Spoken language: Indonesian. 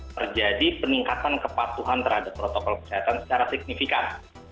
terjadi peningkatan kepatuhan terhadap protokol kesehatan secara signifikan